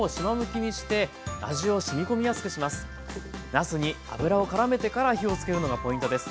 なすに油をからめてから火をつけるのがポイントです。